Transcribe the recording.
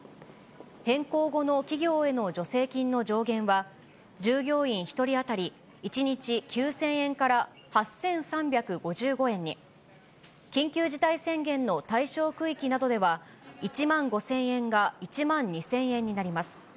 変更後の企業への助成金の上限は、従業員１人当たり、１日９０００円から８３５５円に、緊急事態宣言の対象区域などでは、１万５０００円が１万２０００円になります。